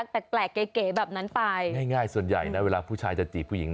แปลกเก๋แบบนั้นไปง่ายส่วนใหญ่นะเวลาผู้ชายจะจีบผู้หญิง